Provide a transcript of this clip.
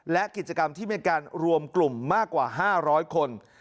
และกิจกรรมที่มีการรวมกลุ่มมากกว่า๕๐๐คน